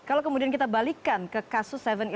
kalau kemudian kita balikkan ke kasus tujuh sebelas